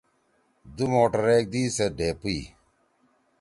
دُو موٹر ایک دئی سیت ڈھیپِئی۔